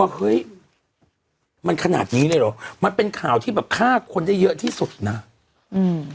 เฮ้ยมันขนาดนี้เลยเหรอมันเป็นข่าวที่แบบฆ่าคนได้เยอะที่สุดน่ะอืม